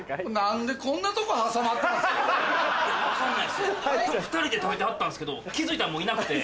何でこんなとこ挟まったんすか？